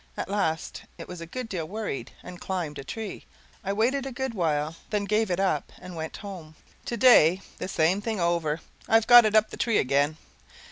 At last it was a good deal worried, and climbed a tree. I waited a good while, then gave it up and went home. Today the same thing over. I've got it up the tree again.